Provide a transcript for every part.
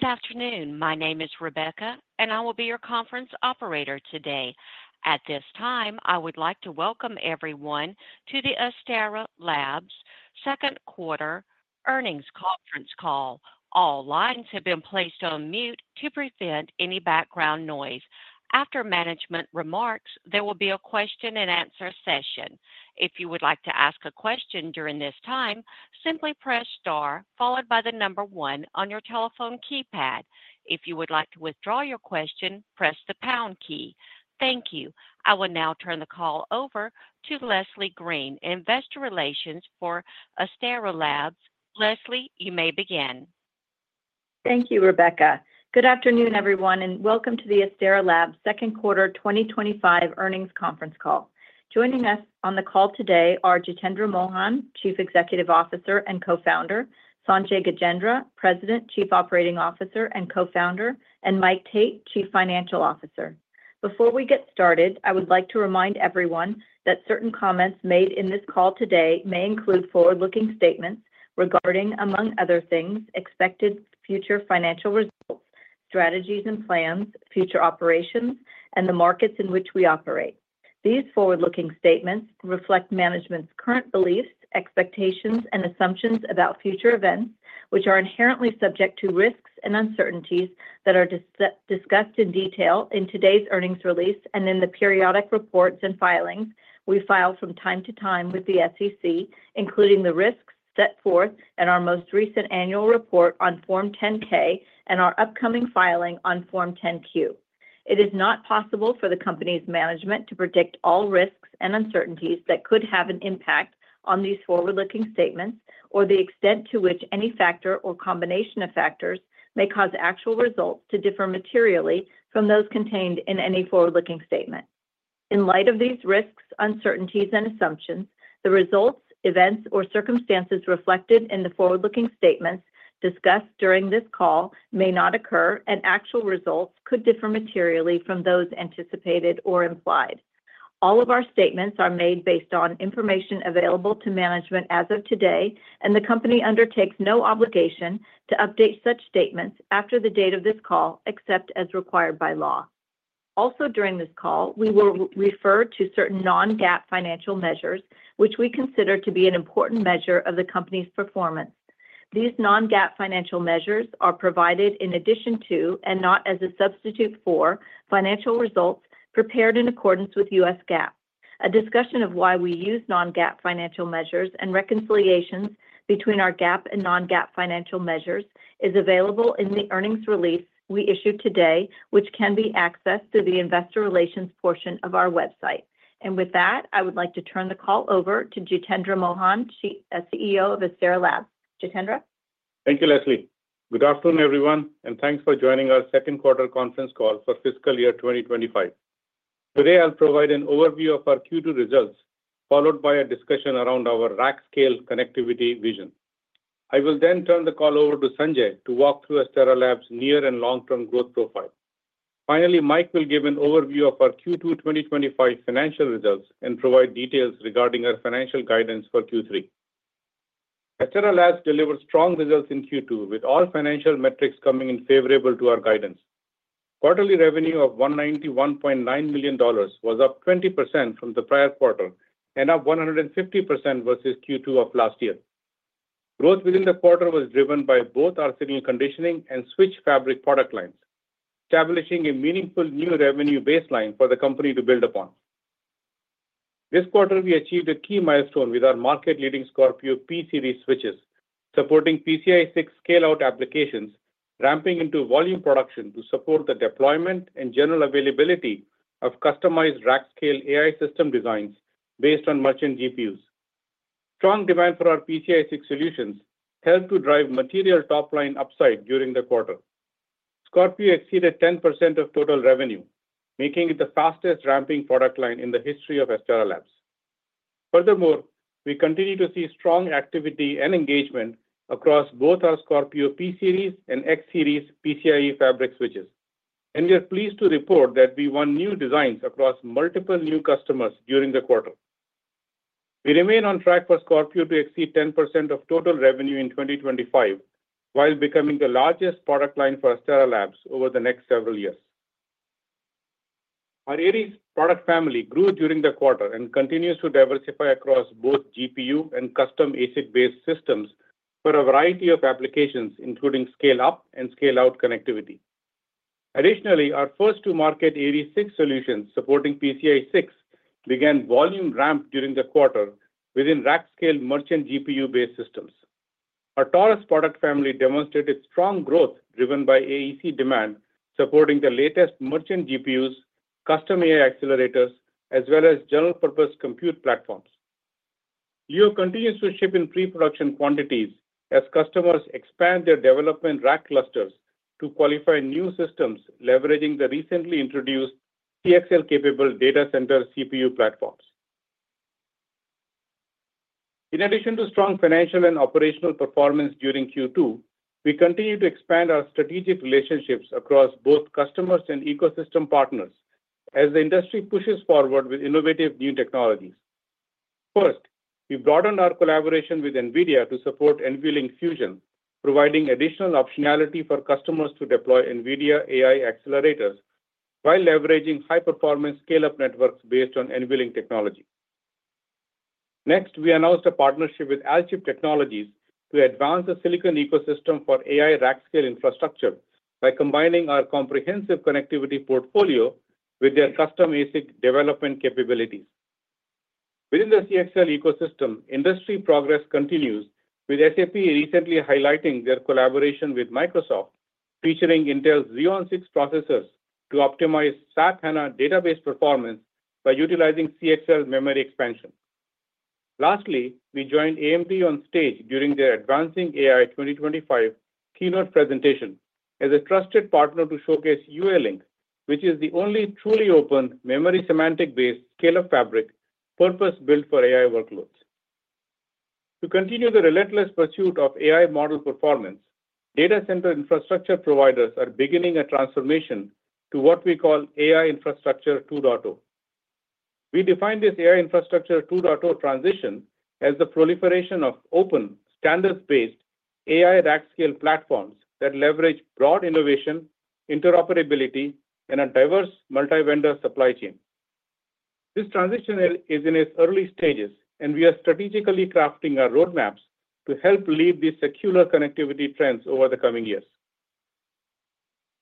Good afternoon, my name is Rebecca and I will be your conference operator today. At this time, I would like to welcome everyone to the Astera Labs' second quarter earnings conference call. All lines have been placed on mute to prevent any background noise. After management remarks, there will be a question-and-answer session. If you would like to ask a question during this time, simply press star followed by the number one on your telephone keypad. If you would like to withdraw your question, press the pound key. Thank you. I will now turn the call over to Leslie Green, Investor Relations for Astera Labs. Leslie, you may begin. Thank you, Rebecca. Good afternoon, everyone, and welcome to the Astera Labs second quarter 2025 earnings conference call. Joining us on the call today are Jitendra Mohan, Chief Executive Officer and Co-Founder, Sanjay Gajendra, President, Chief Operating Officer and Co-Founder, and Mike Tate, Chief Financial Officer. Before we get started, I would like to remind everyone that certain comments made in this call today may include forward-looking statements regarding, among other things, expected future financial results, strategies and plans, future operations, and the markets in which we operate. These forward-looking statements reflect management's current beliefs, expectations, and assumptions about future events, which are inherently subject to risks and uncertainties that are discussed in detail in today's earnings release and in the periodic reports and filings we file from time to time with the SEC, including the risks set forth in our most recent annual report on Form 10-K and our upcoming filing on Form 10-Q. It is not possible for the company's management to predict all risks and uncertainties that could have an impact on these forward-looking statements or the extent to which any factor or combination of factors may cause actual results to differ materially from those contained in any forward-looking statements. In light of these risks, uncertainties, and assumptions, the results, events, or circumstances reflected in the forward-looking statements discussed during this call may not occur and actual results could differ materially from those anticipated or implied. All of our statements are made based on information available to management as of today and the company undertakes no obligation to update such statements after the date of this call except as required by law. Also during this call we will refer to certain non-GAAP financial measures which we consider to be an important measure of the company's performance. These non-GAAP financial measures are provided in addition to, and not as a substitute for, financial results prepared in accordance with U.S. GAAP. A discussion of why we use non-GAAP financial measures and reconciliations between our GAAP and non-GAAP financial measures is available in the earnings release we issued today, which can be accessed through the investor relations portion of our website. With that I would like to turn the call over to Jitendra Mohan, CEO of Astera Labs. Jitendra, thank you Leslie. Good afternoon everyone and thanks for joining our second quarter conference call for fiscal year 2025. Today I'll provide an overview of our Q2 results followed by a discussion around our rack scale connectivity vision. I will then turn the call over to Sanjay to walk through Astera Labs' near and long-term growth profile. Finally, Mike will give an overview of our Q2 2025 financial results and provide details regarding our financial guidance for Q3. Astera Labs delivered strong results in Q2 with all financial metrics coming in favorable to our guidance. Quarterly revenue of $191.9 million was up 20% from the prior quarter and up 150% versus Q2 of last year. Growth within the quarter was driven by both our signal conditioning and switch fabric product line, establishing a meaningful new revenue baseline for the company to build upon. This quarter we achieved a key milestone with our market leading Scorpio P Series switches supporting PCIe 6 scale-out applications ramping into volume production to support the deployment and general availability of customized rack scale AI system designs based on merchant GPUs. Strong demand for our PCIe 6 solutions helped to drive material top line upside. During the quarter, Scorpio exceeded 10% of total revenue, making it the fastest ramping product line in the history of Astera. Furthermore, we continue to see strong activity and engagement across both our Scorpio P-Series and X-Series PCIe fabric switches, and we are pleased to report that we won new designs across multiple new customers during the quarter. We remain on track for Scorpio to exceed 10% of total revenue in 2025 while becoming the largest product line for Astera Labs over the next several years. Our Aries product family grew during the quarter and continues to diversify across both GPU and custom ASIC-based systems for a variety of applications including scale-up and scale-out connectivity. Additionally, our first to market Aries 6 solutions supporting PCIe 6 began volume ramp during the quarter within rack scale merchant GPU-based systems. Our Taurus product family demonstrated strong growth driven by AEC demand supporting the latest merchant GPUs, custom AI accelerators, as well as general purpose compute platforms. LEO continues to ship in pre-production quantities as customers expand their development rack clusters to qualify new systems leveraging the recently introduced CXL capable data center CPU platforms. In addition to strong financial and operational performance during Q2, we continue to expand our strategic relationships across both customers and ecosystem partners as the industry pushes forward with innovative new technologies. First, we broadened our collaboration with NVIDIA to support NVLink Fusion, providing additional optionality for customers to deploy NVIDIA AI accelerators by leveraging high performance scale up networks based on NVLink technology. Next, we announced a partnership with Alchip Technologies to advance the silicon ecosystem for AI rack scale infrastructure by combining our comprehensive connectivity portfolio with their custom ASIC development capabilities. Within the CXL ecosystem, industry progress continues with SAP recently highlighting their collaboration with Microsoft featuring Intel's Xeon 6 processors to optimize SAP HANA database performance by utilizing CXL memory expansion. Lastly, we joined AMD on stage during their Advancing AI 2025 keynote presentation as a trusted partner to showcase UALink, which is the only truly open memory semantic based scale fabric purpose built for AI workloads. To continue the relentless pursuit of AI model performance, data center infrastructure providers are beginning a transformation to what we call AI Infrastructure 2.0. We define this AI Infrastructure 2.0 transition as the proliferation of open standards based AI rack scale platforms that leverage broad innovation, interoperability, and a diverse multi vendor supply chain. This transition is in its early stages and we are strategically crafting our roadmaps to help lead these secular connectivity trends over the coming years.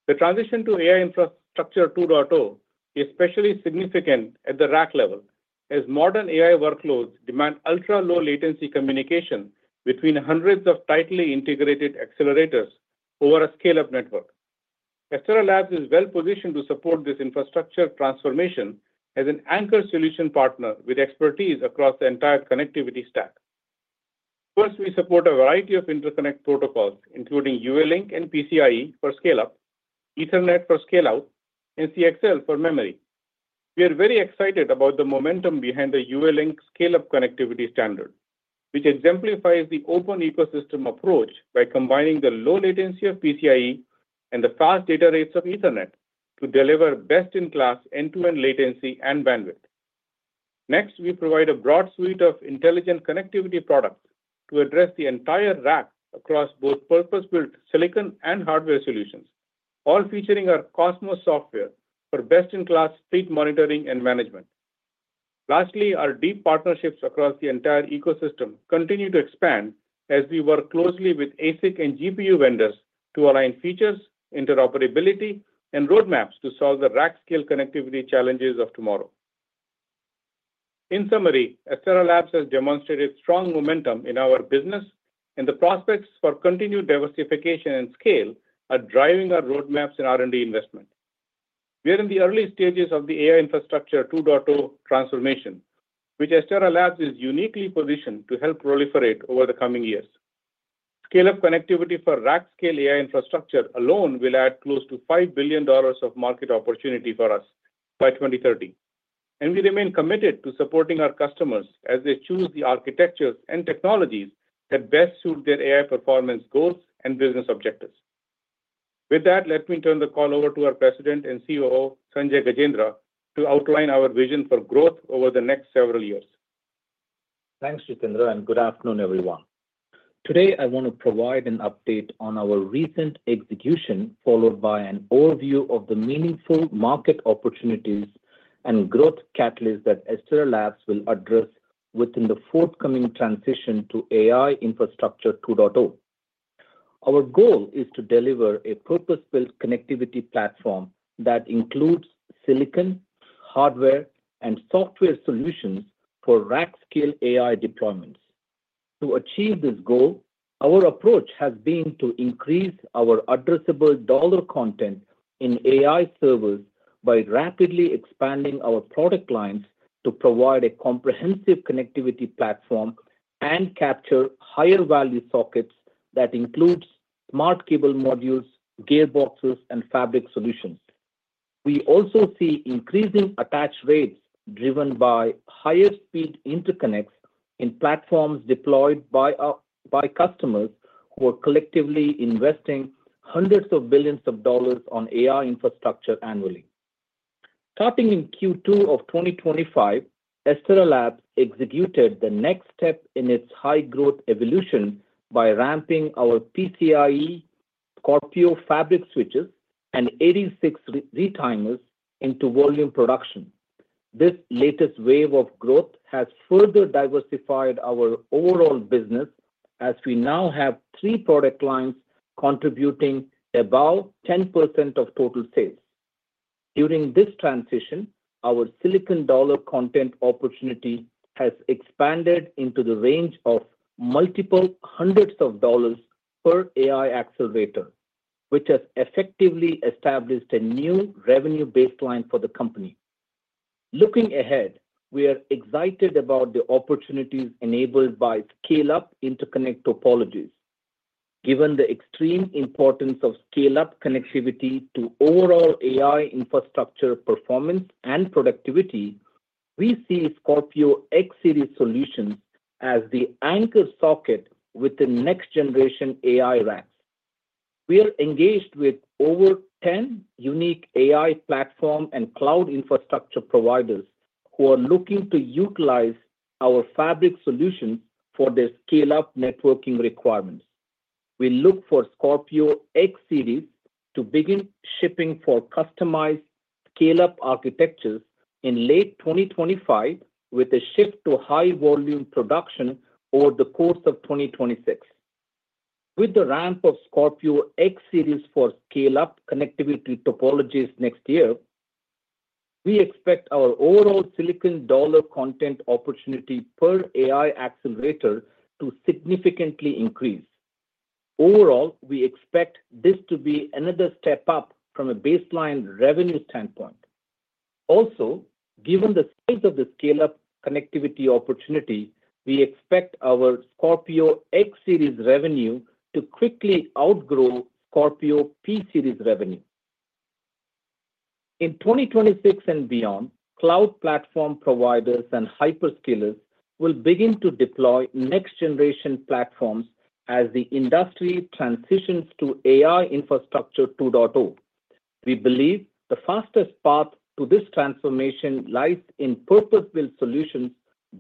The transition to AI Infrastructure 2.0 is especially significant at the rack level as modern AI workloads demand ultra low latency communication between hundreds of tightly integrated accelerators over a scale up network. Astera Labs is well positioned to support this infrastructure transformation as an anchor solution partner with expertise across the entire connectivity stack. First, we support a variety of interconnect protocols including UALink and PCIe for scale up, Ethernet for scale out, and CXL for memory. We are very excited about the momentum behind the UALink scale up connectivity standard, which exemplifies the open ecosystem approach by combining the low latency of PCIe and the fast data rates of Ethernet to deliver best in class end to end latency and bandwidth. Next, we provide a broad suite of intelligent connectivity products to address the entire rack across both purpose-built silicon and hardware solutions, all featuring our Cosmos software for best-in-class fleet monitoring and management. Lastly, our deep partnerships across the entire ecosystem continue to expand as we work closely with ASIC and GPU vendors to align features, interoperability, and roadmaps to solve the rack-scale connectivity challenges of tomorrow. In summary, Astera Labs has demonstrated strong momentum in our business and the prospects for continued diversification and scale are driving our roadmaps in R&D investment. We are in the early stages of the AI Infrastructure 2.0 transformation, which Astera Labs is uniquely positioned to help proliferate over the coming years. Scale-up connectivity for rack-scale AI infrastructure alone will add close to $5 billion of market opportunity for us by 2030, and we remain committed to supporting our customers as they choose the architectures and technologies that best suit their AI performance goals and business objectives. With that, let me turn the call over to our President and COO, Sanjay Gajendra, to outline our vision for growth over the next several years. Thanks Jitendra and good afternoon everyone. Today I want to provide an update on our recent execution, followed by an overview of the meaningful market opportunities and growth catalysts that Astera Labs will address within the forthcoming transition to AI Infrastructure 2.0. Our goal is to deliver a purpose-built connectivity platform that includes silicon hardware and software solutions for rack-scale AI deployments. To achieve this goal, our approach has been to increase our addressable dollar content in AI servers by rapidly expanding our product lines to provide a comprehensive connectivity platform and capture higher value sockets that include smart cable modules, gearboxes, and fabric solutions. We also see increasing attach rates driven by higher speed interconnects in platforms deployed by customers who are collectively investing hundreds of billions of dollars on AI infrastructure annually. Starting in Q2 of 2025, Astera Labs executed the next step in its high growth evolution by ramping our PCIe Scorpio fabric switches and 86 retimers into volume production. This latest wave of growth has further diversified our overall business as we now have three product lines contributing above 10% of total sales. During this transition, our silicon dollar content opportunity has expanded into the range of multiple hundreds of dollars per AI accelerator, which has effectively established a new revenue baseline for the company. Looking ahead, we are excited about the opportunities enabled by scale-up interconnect topologies. Given the extreme importance of scale-up connectivity to overall AI infrastructure performance and productivity, we see Scorpio X-Series solutions as the anchor socket within next generation AI rack. We are engaged with over 10 unique AI platform and cloud infrastructure providers who are looking to utilize our fabric solution for their scale-up networking requirement. We look for Scorpio X-Series to begin shipping for customized scale-up architectures in late 2025, with a shift to high volume production over the course of 2026. With the ramp of Scorpio X-Series for scale-up connectivity topologies next year, we expect our overall silicon dollar content opportunity per AI accelerator to significantly increase. Overall, we expect this to be another step up from a baseline revenue standpoint. Also, given the size of the scale-up connectivity opportunity, we expect our Scorpio X-Series revenue to quickly outgrow Scorpio P-Series revenue in 2026 and beyond. Cloud platform providers and hyperscalers will begin to deploy next-generation platforms as the industry transitions to AI Infrastructure 2.0. We believe the fastest path to this transformation lies in purpose-built solutions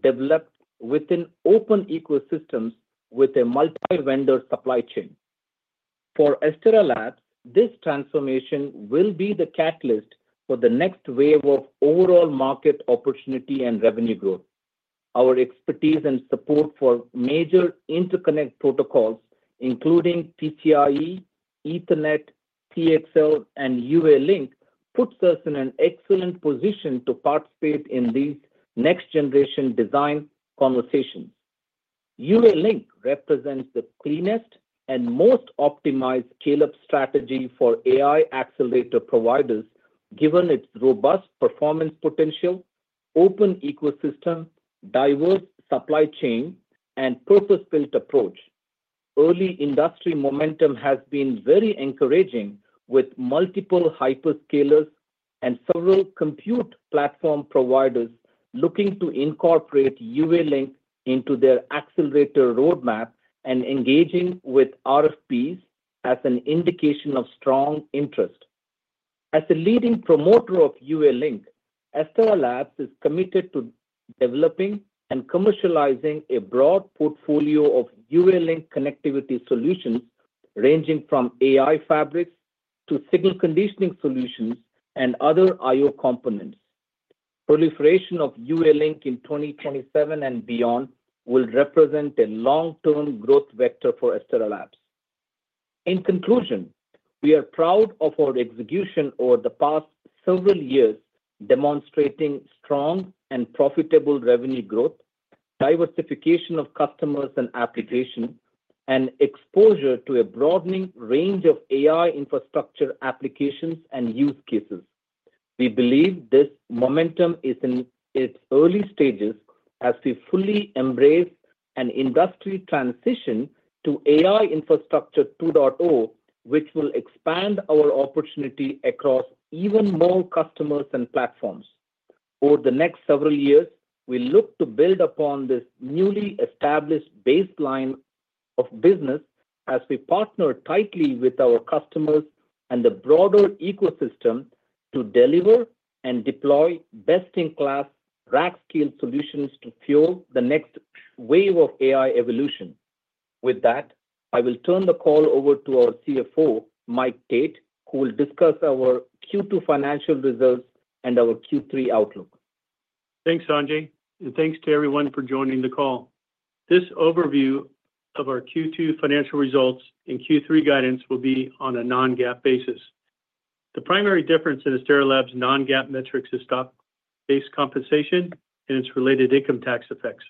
developed within open ecosystems with a multi-vendor supply chain. For Astera Labs, this transformation will be the catalyst for the next wave of overall market opportunity and revenue growth. Our expertise and support for major interconnect protocols including PCIe, Ethernet, CXL, and UALink puts us in an excellent position to participate in these next-generation design conversations. UALink represents the cleanest and most optimized scale-up strategy for AI accelerator providers given its robust performance potential, open ecosystem, diverse supply chain, and purpose-built approach. Early industry momentum has been very encouraging with multiple hyperscalers and several compute platform providers looking to incorporate UALink into their accelerator roadmap and engaging with RFPs as an indication of strong interest. As a leading promoter of UALink, Astera Labs is committed to developing and commercializing a broad portfolio of UALink connectivity solutions ranging from AI fabrics to signal conditioning solutions and other IO components. Proliferation of UALink in 2027 and beyond will represent a long-term growth vector for Astera Labs. In conclusion, we are proud of our execution over the past several years, demonstrating strong and profitable revenue growth, diversification of customers and applications, and exposure to a broadening range of AI infrastructure applications and use cases. We believe this momentum is in its early stages as we fully embrace an industry transition to AI Infrastructure 2.0 which will expand our opportunity across even more customers and platforms. Over the next several years, we look to build upon this newly established baseline of business as we partner tightly with our customers and the broader ecosystem to deliver and deploy best-in-class rack-scale solutions to fuel the next wave of AI evolution. With that, I will turn the call over to our CFO, Mike Tate, who will discuss our Q2 financial results and our Q3 outlook. Thanks Sanjay and thanks to everyone for joining the call. This overview of our Q2 financial results and Q3 guidance will be on a non-GAAP basis. The primary difference in Astera Labs non-GAAP metrics is stock-based compensation and its related income tax effects.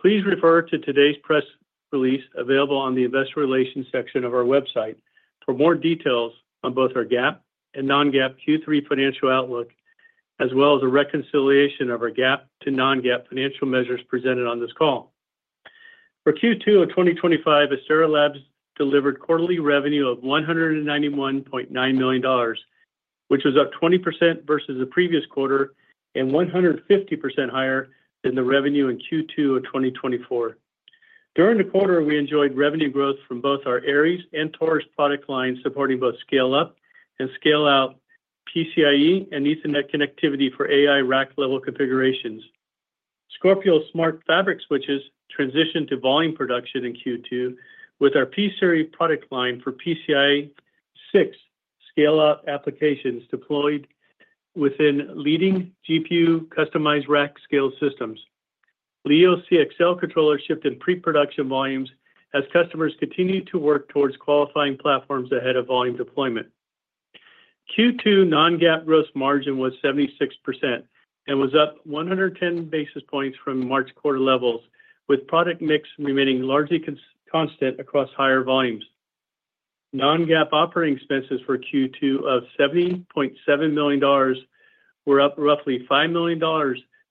Please refer to today's press release available on the Investor Relations section of our website for more details on both our GAAP and non-GAAP Q3 financial outlook, as well as a reconciliation of our GAAP to non-GAAP financial measures presented on this call. For Q2 of 2025, Astera Labs delivered quarterly revenue of $191.9 million, which was up 20% versus the previous quarter and 150% higher than the revenue in Q2 of 2024. During the quarter, we enjoyed revenue growth from both our Aries and Taurus product lines, supporting both scale-up and scale-out PCIe and Ethernet connectivity for AI rack-level configurations. Scorpio smart fabric switches transitioned to volume production in Q2 with our P Series product line for PCIe 6 scale-out applications deployed within leading GPU customized rack-scale systems. LEO CXL controllers shipped in pre-production volumes as customers continue to work towards qualifying platforms ahead of volume deployment. Q2 non-GAAP gross margin was 76% and was up 110 basis points from March quarter levels, with product mix remaining largely constant across higher volumes. Non-GAAP operating expenses for Q2 of $70.7 million were up roughly $5 million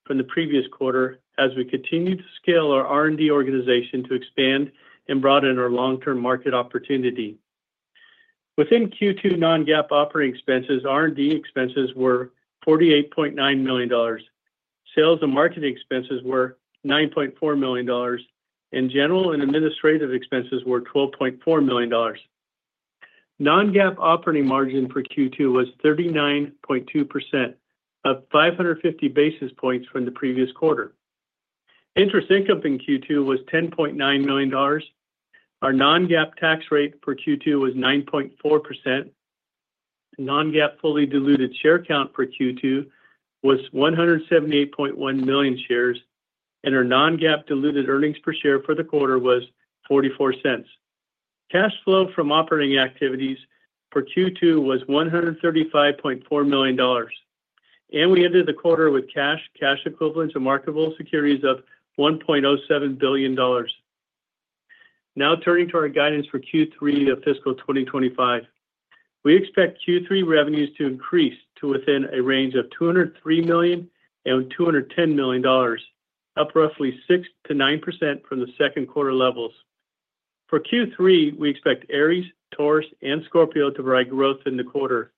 from the previous quarter as we continue to scale our R&D organization to expand and broaden our long-term market opportunity. Within Q2 non-GAAP operating expenses, R&D expenses were $48.9 million, sales and marketing expenses were $9.4 million, and general and administrative expenses were $12.4 million. Non-GAAP operating margin for Q2 was 39.2%, up 550 basis points from the previous quarter. Interest income in Q2 was $10.9 million. Our non-GAAP tax rate for Q2 was 9.4%. Non-GAAP fully diluted share count for Q2 was 178.1 million shares, and our non-GAAP diluted earnings per share for the quarter was $0.44. Cash flow from operating activities for Q2 was $135.4 million, and we ended the quarter with cash, cash equivalents, and marketable securities of $1.07 billion. Now turning to our guidance for Q3 of fiscal 2025, we expect Q3 revenues to increase to within a range of $203 million-$210 million, up roughly 6%-9% from the second quarter levels. For Q3, we expect Aries, Taurus, and Scorpio to provide growth in the quarter.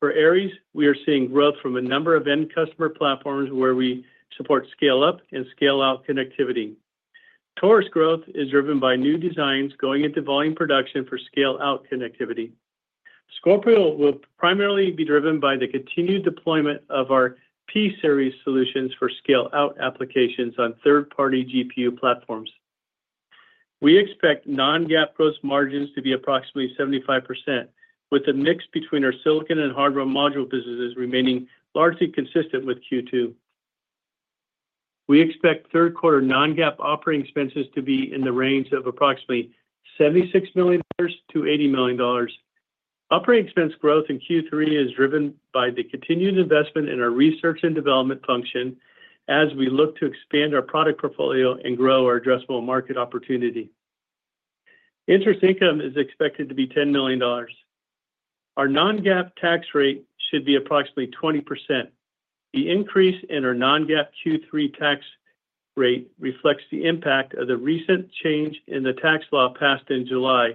For Aries, we are seeing growth from a number of end customer platforms where we support scale-up and scale-out connectivity. Taurus growth is driven by new designs going into volume production for scale-out connectivity. Scorpio will primarily be driven by the continued deployment of our P-Series solutions for scale-out applications on third-party GPU platforms. We expect non-GAAP gross margins to be approximately 75%. With the mix between our silicon and hardware module businesses remaining largely consistent with Q2, we expect third quarter non-GAAP operating expenses to be in the range of approximately $76 million-$80 million. Operating expense growth in Q3 is driven by the continued investment in our research and development function as we look to expand our product portfolio and grow our addressable market opportunity. Interest income is expected to be $10 million. Our non-GAAP tax rate should be approximately 20%. The increase in our non-GAAP Q3 tax rate reflects the impact of the recent change in the tax law passed in July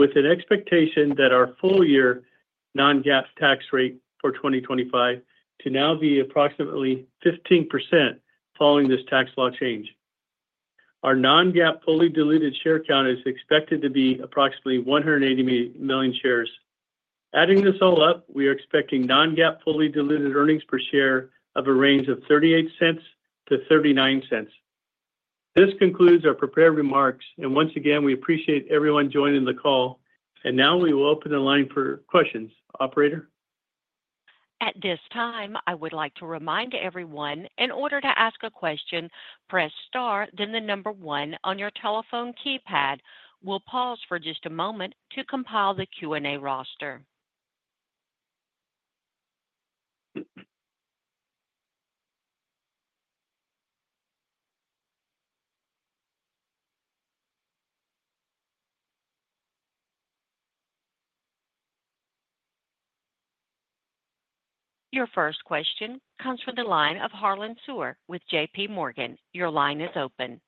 with an expectation that our full year non-GAAP tax rate for 2025 to now be approximately 15% following this tax law change. Our non-GAAP fully diluted share count is expected to be approximately 180 million shares. Adding this all up, we are expecting non-GAAP fully diluted earnings per share of a range of $0.38-$0.39. This concludes our prepared remarks and once again we appreciate everyone joining the call and now we will open the line for questions, operator. At this time I would like to remind everyone in order to ask a question, press Star then the number one on your telephone keypad. We'll pause for just a moment to compile the Q&A roster. Your first question comes from the line of Harlan Sur with JPMorgan. Your line is open.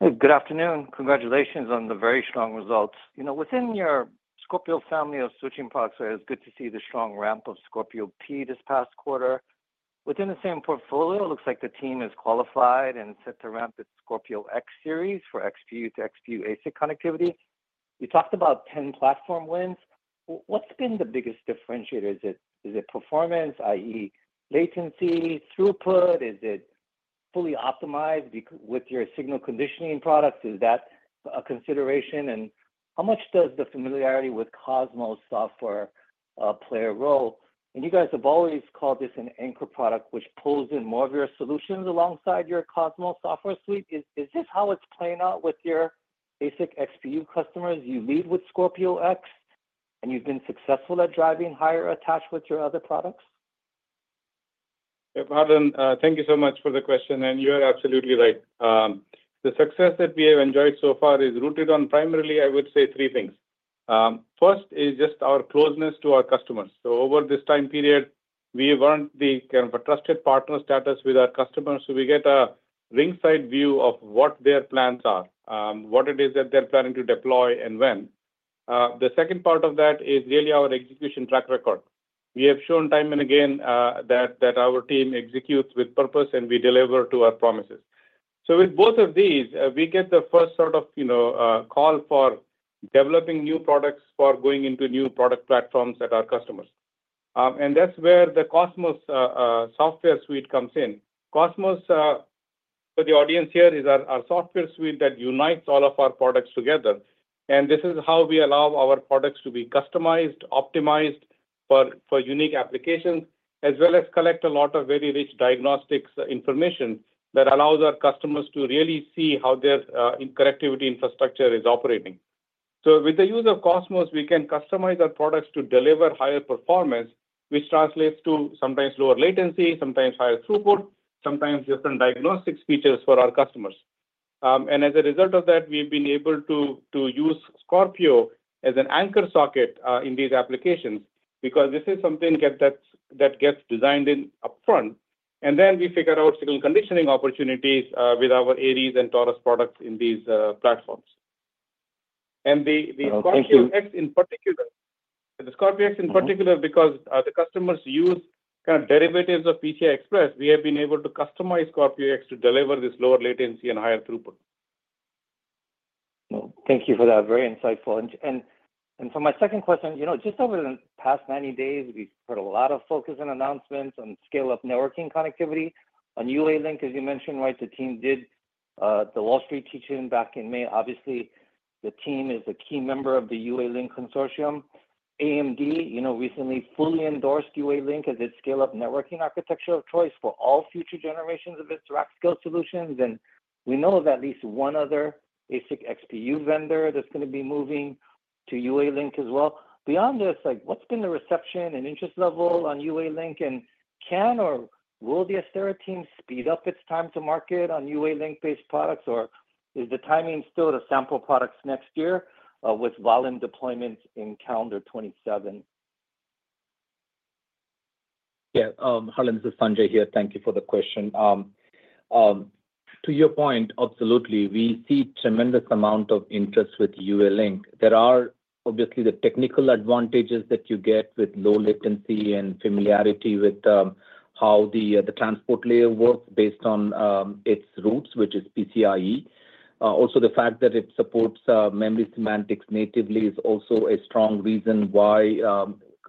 Good afternoon. Congratulations on the very strong results. You know within your Scorpio family of switching products, it's good to see the strong ramp of Scorpio P this past quarter. Within the same portfolio, looks like the team is qualified and set to ramp its Scorpio X-Series for XPU to XPU ASIC connectivity. We talked about 10 platform wins. What's been the biggest differentiator? Is it performance, that is, latency, throughput? Is it fully optimized with your signal conditioning products? Is that consideration, and how much does the familiarity with Cosmos software play a role? You guys have always called this an anchor product which pulls in more of your solutions alongside your Cosmos software suite. Is this how it's playing out with your basic XPU customers? You lead with Scorpio X, and you've been successful at driving higher attachments or other products? Thank you so much for the question. You're absolutely right. The success that we have enjoyed so far is rooted on primarily, I would say, three things. First is just our closeness to our customers. Over this time period, we earned the kind of a trusted partner status with our customers. We get a ringside view of what their plans are, what it is that they're planning to deploy, and when. The second part of that is really our execution track record. We have shown time and again that our team executes with purpose, and we deliver to our promises. With both of these, we get the first sort of call for developing new products, for going into new product platforms at our customers. That's where the Cosmos software suite comes in. Cosmos, for the audience here, is our software suite that unites all of our products together. This is how we allow our products to be customized, optimized for unique applications, as well as collect a lot of very rich diagnostics information that allows our customers to really see how their connectivity infrastructure is operating. With the use of Cosmos, we can customize our products to deliver higher performance, which translates to sometimes lower latency, sometimes higher throughput, sometimes different diagnostics features for our customers. As a result of that, we've been able to use Scorpio as an anchor socket in these applications because this is something that gets designed in upfront, and then we figure out signal conditioning opportunities with our Aries and Taurus product in these platforms. In particular, the Scorpio X in particular, because the customers use kind of derivatives of PCIe, we have been able to customize Scopio X to deliver this lower latency and higher throughput. Thank you for that. Very insightful. For my second question, just over the past 90 days we put a lot of focus and announcements on scale-up networking connectivity on UALink as you mentioned. The team did the Wall Street teach-in back in May. Obviously the team is a key member of the UALink consortium. AMD recently fully endorsed UALink as its scale-up networking architecture of choice for all future generations of its rack-scale solutions. We know of at least one other ASIC XPU vendor that's going to be moving to UALink as well. Beyond this, what's been the reception and interest level on UALink? Can or will the Astera Labs team speed up its time to market on UALink-based products or is the timing still to sample products next year with volume deployments in calendar 2027? Yeah, Harlan, this is Sanjay here. Thank you for the question. To your point, absolutely. We see a tremendous amount of interest with UALink. There are obviously the technical advantages that you get with low latency and familiarity with how the transport layer works based on its roots, which is PCIe. Also, the fact that it supports memory semantics natively is a strong reason why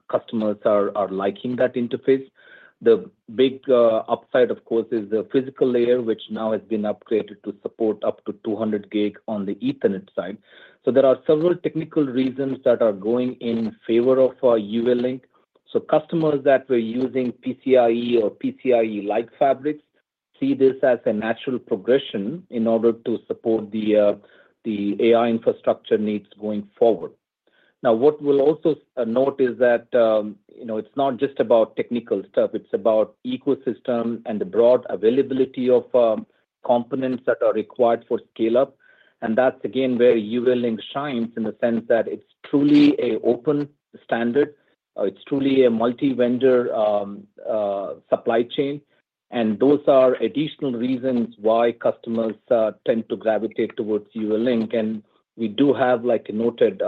customers are liking that interface. The big upside, of course, is the physical layer, which now has been upgraded to support up to 200 gig on the Ethernet side. There are several technical reasons that are going in favor of UALink. Customers that were using PCIe or PCIe-lite fabrics see this as a natural progression in order to support the AI infrastructure needs going forward. What we'll also note is that it's not just about technical stuff, it's about ecosystem and the broad availability of components that are required for scale-up. That's again where UALink shines in the sense that it's truly an open standard, it's truly a multi-vendor supply chain. Those are additional reasons why customers tend to gravitate towards UALink. We do have, like noted,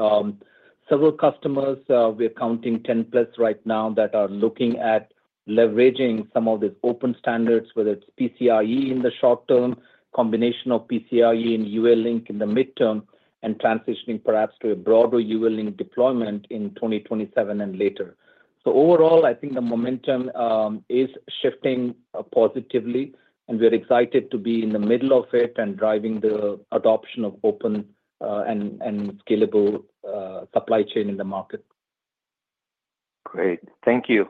several customers, we're counting 10+ right now, that are looking at leveraging some of the open standards, whether it's PCIe in the short term, a combination of PCIe and UALink in the midterm, and transitioning perhaps to a broader UALink deployment in 2027 and later. Overall, I think the momentum is shifting positively and we are excited to be in the middle of it and driving the adoption of open and scalable supply chain in the market. Great, thank you.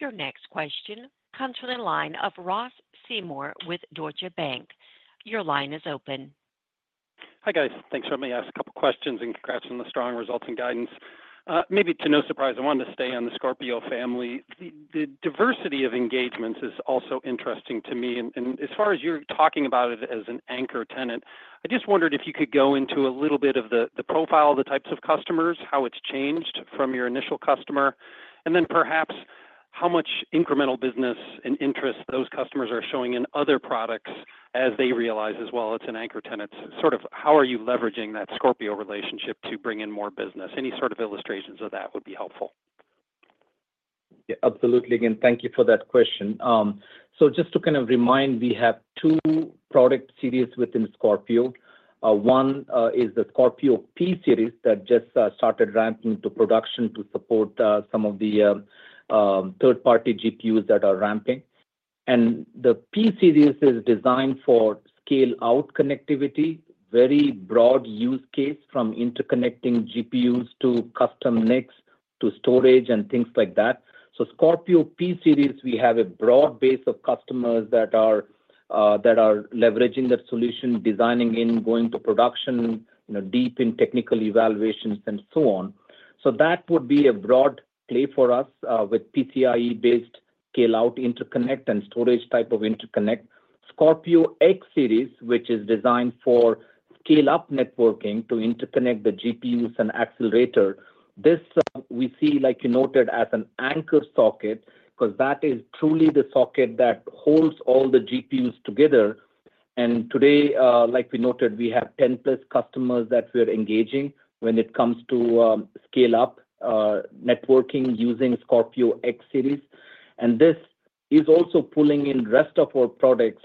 Your next question comes from the line of Ross Seymore with Deutsche Bank. Your line is open. Hi guys, thanks for letting me ask a couple questions and congrats on the strong results and guidance. Maybe to no surprise, I wanted to stay on the Scorpio family. The diversity of engagements is also interesting to me. As far as you're talking about it as an anchor tenant, I wondered if you could go into a little bit of the profile, the types of customers, how it's changed from your initial customer, and then perhaps how much incremental business and interest those customers are showing in other products as they realize as well it's an anchor tenant sort of. How are you leveraging that Scorpio relationship to bring in more business? Any sort of illustrations of that would be helpful. Yeah, absolutely. Again, thank you for that question. Just to kind of remind, we have two product series within Scorpio. One is the Scorpio P-Series that just started ramping to production to support some of the third-party GPUs that are ramping. The P-Series is designed for scale-out connectivity, very broad use case from interconnecting GPUs to custom next to storage and things like that. Scorpio P-Series, we have a broad base of customers that are leveraging that solution, designing in, going to production, deep in technical evaluations and so on. That would be a broad play for us with PCIe-based scale-out interconnect and storage type of interconnect. Scorpio X-Series, which is designed for scale-up networking to interconnect the GPUs and accelerator. This we see, like you noted, as an anchor socket because that is truly the socket that holds all the GPUs together. Today, like we noted, we have 10+ customers that we are engaging when it comes to scale-up networking using Scorpio X-Series. This is also pulling in rest of our products,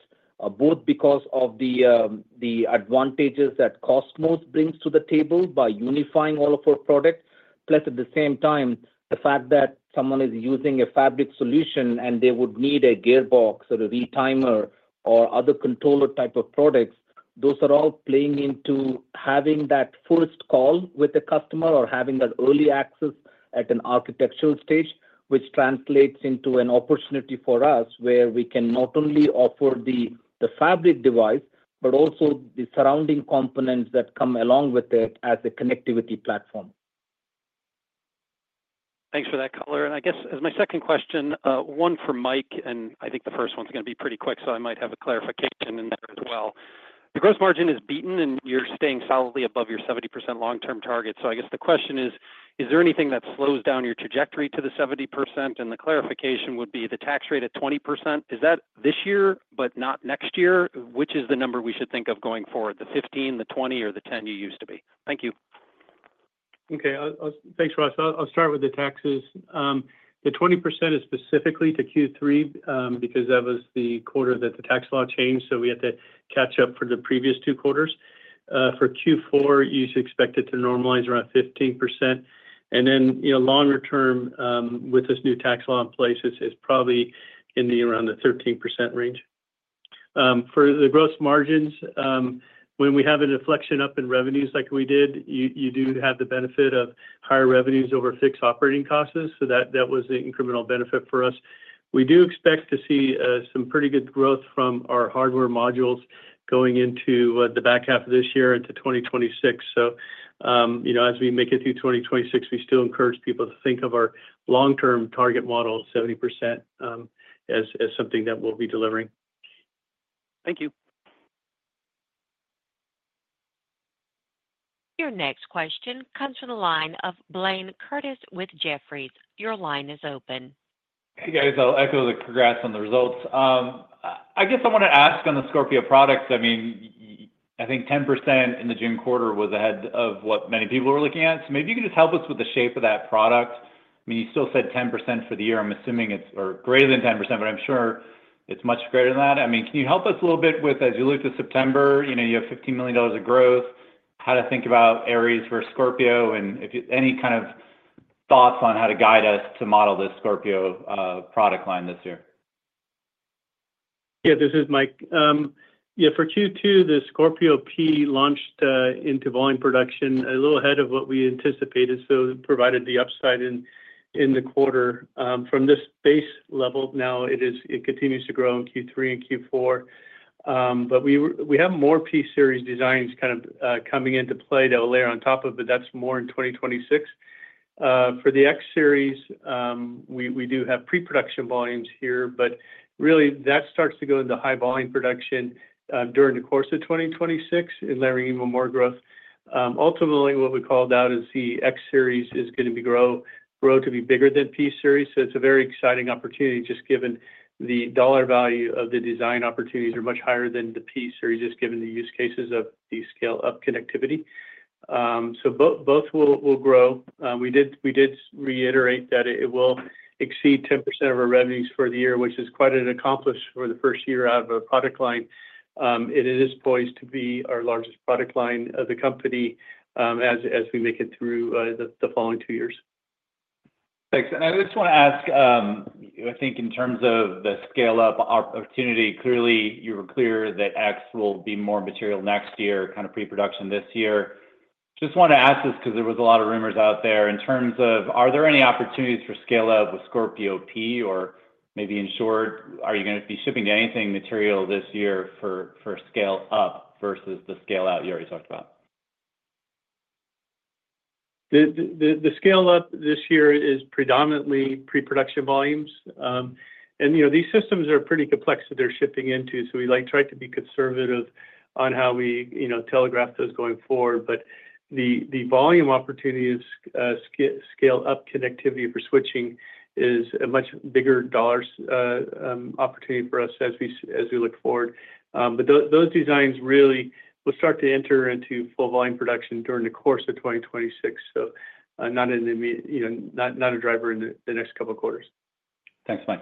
both because of the advantages that Cosmos brings to the table by unifying all of our product, plus at the same time the fact that someone is using a fabric solution and they would need a gearbox or a retimer or other controller type of products. Those are all playing into having that first call with the customer or having that early access at an architectural stage, which translates into an opportunity for us where we can not only offer the fabric device but also the surrounding components that come along with it as a connectivity platform. Thanks for that color. I guess as my second question, one for Mike, I think the first one's going to be pretty quick, so I might have a clarification in there as well. The gross margin is beaten, and you're staying solidly above your 70% long-term target, is there anything that slows down your trajectory to the 70%? The clarification would be the tax rate at 20%. Is that this year, but not next year? Which is the number we should think of going forward, the 15%, the 20%, or the 10% it used to be? Thank you. Okay, thanks Ross. I'll start with the taxes. The 20% is specifically to Q3 because that was the quarter that the tax law changed. We have to catch up for the previous two quarters. For Q4, you should expect it to normalize around 15%. Longer-term with this new tax law in place, it is probably in the around the 13% range. For the gross margins, when we have an inflection up in revenues like we did, you do have the benefit of higher revenues over fixed operating costs. That was the incremental benefit for us. We do expect to see some pretty good growth from our hardware modules going into the back half of this year into 2026. As we make it through 2026, we still encourage people to think of our long-term target model, 70%, as something that we'll be delivering. Thank you. Your next question comes from the line of Blayne Curtis with Jefferies. Your line is open, guys. I'll echo the congrats on the results. I guess I want to ask on the Scorpio products. I mean I think 10% in the June quarter was ahead of what many people were looking at. Maybe you could just help us with the shape of that product, you still said 10% for the year. I'm assuming it's greater than 10%, but I'm sure it's much greater than that. Can you help us a little bit with as you look to September, you know you have $50 million of growth. How to think about Aries for Scorpio and any kind of thoughts on how to guide us to model this Scorpio product line this year? Yeah, this is Mike. Yeah. For Q2 the Scorpio P launched into volume production a little ahead of what we anticipated, so provided the upside in the quarter from this base level. Now it continues to grow in Q3 and Q4. We have more P-Series designs kind of coming into play that will layer on top of that. That's more in 2026. For the X-Series, we do have pre-production volumes here, but really that starts to go into high volume production during the course of 2026 and, Larry, even more growth. Ultimately, what we called out is the X-Series is going to grow to be bigger than P-Series. It's a very exciting opportunity just given the dollar value of the design opportunities are much higher than the P-Series just given the use cases of the scale-up connectivity. Both will grow. We did reiterate that it will exceed 10% of our revenues for the year, which is quite an accomplishment for the first year out of a product line. It is poised to be our largest product line of the company as we make it through the following two years. Thanks. I just want to ask, I think in terms of the scale-up opportunity, clearly you were clear that X will be more material next year, kind of pre-production this year. Just want to ask this because there was a lot of rumors out there in terms of are there any opportunities for scale-up with Scorpio P or maybe ensured, are you going to be shipping anything material this year for scale-up versus the scale-out you already talked about? The scale up this year is predominantly pre-production volumes, and these systems are pretty complex that they're shipping into. We try to be conservative on how we, you know, telegraph those going forward. The volume opportunities, scale up connectivity for switching, is a much bigger dollars opportunity for us as we look forward. Those designs really will start to enter into full volume production during the course of 2026, not a driver in the next couple quarters. Thanks, Mike.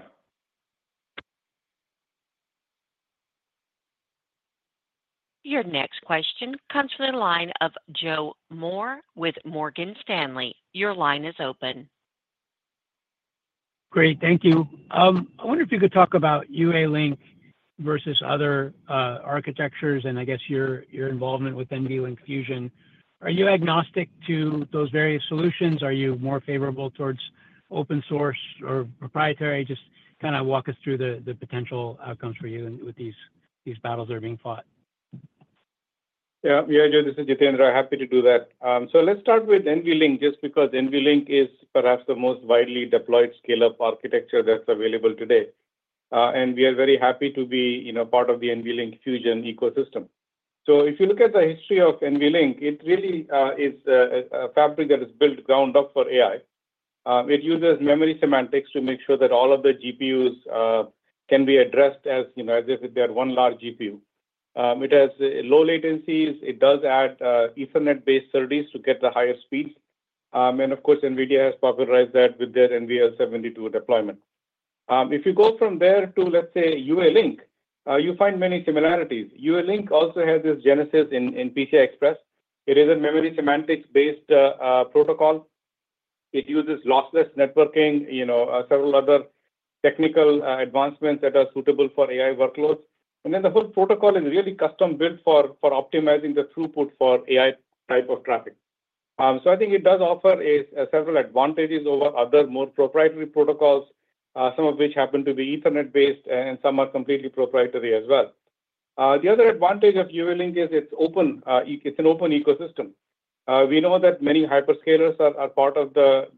Your next question comes from the line of Joe Moore with Morgan Stanley. Your line is open. Great, thank you. I wonder if you could talk about UALink versus other architectures and I guess your involvement with NVLink Fusion. Are you agnostic to those various solutions? Are you more favorable towards open source or proprietary? Just walk us through the potential outcomes for you with these battles that are being fought. Yeah, this is Jitendra, happy to do that. Let's start with NVLink. Just because NVLink is perhaps the most widely deployed scale-up architecture that's available today, we are very happy to be part of the NVLink Fusion ecosystem. If you look at the history of NVLink, it really is a fabric that is built ground up for AI. It uses memory semantics to make sure that all of the GPUs can be addressed as if they are one large GPU. It has low latencies. It does add Ethernet-based services to get the higher speeds, and of course NVIDIA has popularized that with their NVL72 deployment. If you go from there to, let's say, UALink, you find many similarities. UALink also has this genesis in PCIe. It is a memory semantics-based protocol. It uses lossless networking and several other technical advancements that are suitable for AI workload, and the whole protocol is really custom built for optimizing the throughput for AI type of traffic. I think it does offer several advantages over other more proprietary protocols, some of which happen to be Ethernet-based and some are completely proprietary as well. The other advantage of UALink is it's an open ecosystem. We know that many hyperscalers are part of the